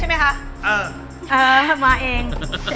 เออมาเอง